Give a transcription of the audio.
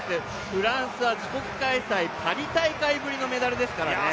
フランスは自国大会、パリ大会ぶりのメダルですからね。